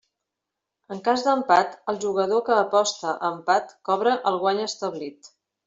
En cas d'empat el jugador que aposta a empat cobra el guany establit.